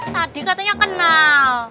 tadi katanya kenal